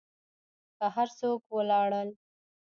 که هر څوک و لاړل.